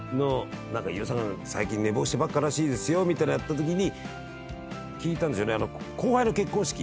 最近寝坊してばっからしいですよみたいになったときに聞いたんですよね。